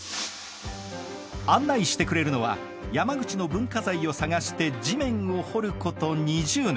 案内してくれるのは山口の文化財を探して地面を掘ること２０年